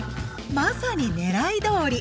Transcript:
まさに狙いどおり！